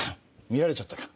見られちゃったか。